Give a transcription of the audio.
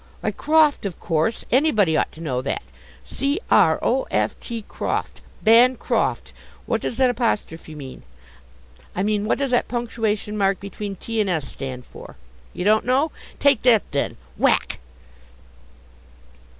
Why, croft, of course; anybody ought to know that c r o f t, croft, Bancroft! What does that apostrophe mean? I mean, what does that punctuation mark between t and s stand for? You don't know? Take that, then! (whack).